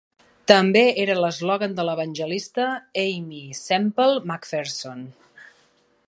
També era l'eslògan de l'evangelista Aimee Semple McPherson.